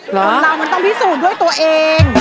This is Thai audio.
เหราะล่ะจะต้องพิสูจน์ด้วยตัวเอง